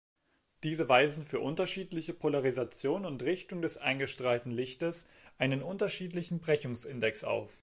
Diese weisen für unterschiedliche Polarisation und Richtung des eingestrahlten Lichtes einen unterschiedlichen Brechungsindex auf.